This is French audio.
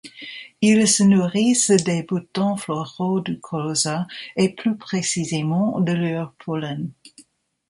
Ils se nourrissent des boutons floraux du colza et plus précisément de leur pollen.